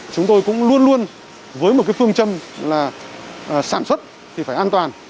chúng tôi cũng luôn luôn với một phương châm là sản xuất thì phải an toàn